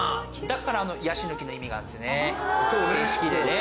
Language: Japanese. だからあのヤシの木の意味があるんですね